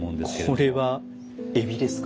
これは海老ですか？